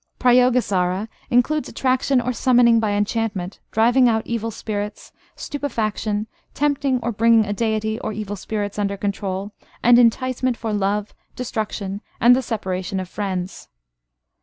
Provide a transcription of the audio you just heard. Prayogasara includes attraction or summoning by enchantment, driving out evil spirits, stupefaction, tempting or bringing a deity or evil spirits under control, and enticement for love, destruction, and the separation of friends.